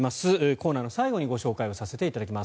コーナーの最後にご紹介をさせていただきます。